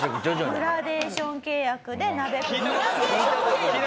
グラデーション契約？